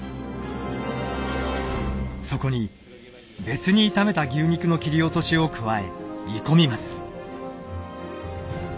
そこに別に炒めた牛肉の切り落としを加え煮込みます。